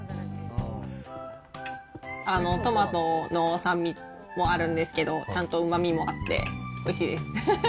トマトの酸味もあるんですけど、ちゃんとうまみもあって、おいしいです。